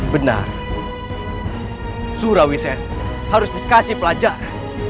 benar surawises harus dikasih pelajaran